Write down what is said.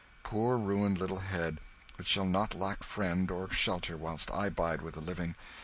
Poor ruined little head, it shall not lack friend or shelter whilst I bide with the living.